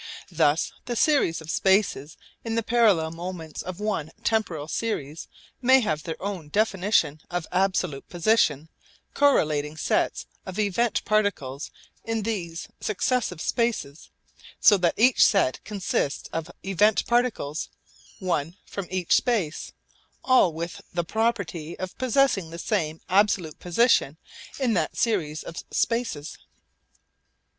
Thus the series of spaces in the parallel moments of one temporal series may have their own definition of absolute position correlating sets of event particles in these successive spaces, so that each set consists of event particles, one from each space, all with the property of possessing the same absolute position in that series of spaces.